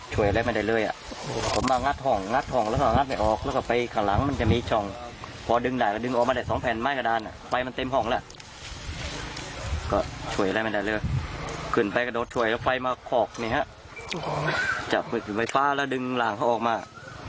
ไฟมันเต็มห่องแล้วช่วยแรกไหม้หน้าเรื่อยขึ้นไปก็โดดช่วยแล้วไฟมาคอกจับฝังไฟฟ้าแล้วดึงล่างเขาออกมา